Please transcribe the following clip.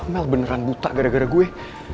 mel beneran buta gara gara gue